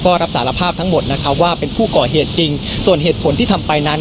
ก็รับสารภาพทั้งหมดนะครับว่าเป็นผู้ก่อเหตุจริงส่วนเหตุผลที่ทำไปนั้น